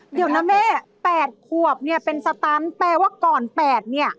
เดี๋ยวนะแม่๘ขวบเนี่ยเป็นสตันแปลว่าก่อน๘เนี่ย